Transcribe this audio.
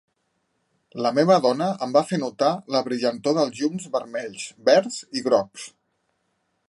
La meva dona em va fer notar la brillantor dels llums vermells, verds i grocs.